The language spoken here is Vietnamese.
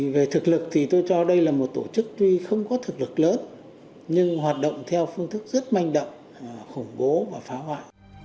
về thực lực thì tôi cho đây là một tổ chức tuy không có thực lực lớn nhưng hoạt động theo phương thức rất manh động khủng bố và phá hoại